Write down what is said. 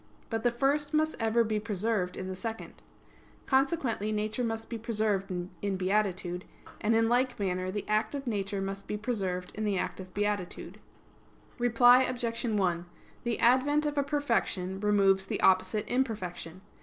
But the first must ever be preserved in the second. Consequently nature must be preserved in beatitude: and in like manner the act of nature must be preserved in the act of beatitude. Reply Obj. 1: The advent of a perfection removes the opposite imperfection.